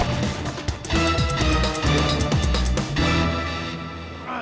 pergi ke kita